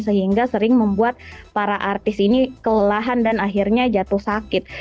sehingga sering membuat para artis ini kelelahan dan akhirnya jatuh sakit